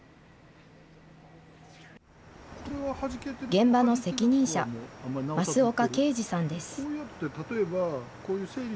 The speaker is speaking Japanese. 現場の責任者、升岡圭治さんです。